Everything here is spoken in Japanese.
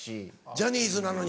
ジャニーズなのに。